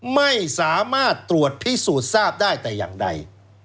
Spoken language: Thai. ไม่สามารถตรวจพิสูจน์ทราบได้แต่อย่างใด